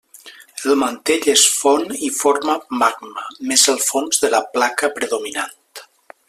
El mantell es fon i forma magma més al fons de la placa predominant.